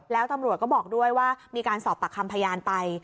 แล้วตำรวจก็บอกด้วยว่ามีการสอบปากคำพยานไป